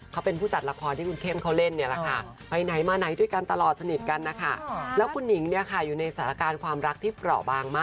คุณเข้มอยู่ในศาลการความรักที่เผราบาง